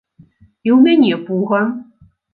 І ў мяне пуга.